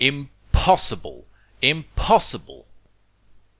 Impossible! Impossible!